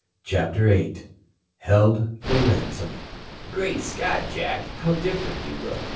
CHAPTER VIII HELD FOR RANSOM "Great Scott, Jack, how different you look.